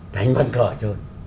thành văn cờ chơi